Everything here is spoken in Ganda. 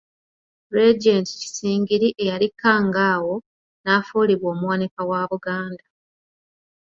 Regent Kisingiri eyali Kangaawo, n'afuulibwa Omuwanika wa Buganda.